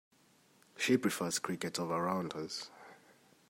She prefers cricket over rounders.